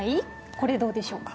これどうでしょうか？